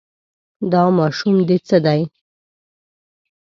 دا ماشوم دې څه دی.